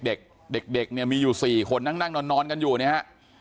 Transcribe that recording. เด็กมีอยู่สี่คนนั่งนอนกันอยู่นะฮะ